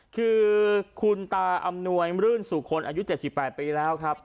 คือคุณตาอำนวยมรื่นสุคลอายุ๗๘ปีแล้วครับ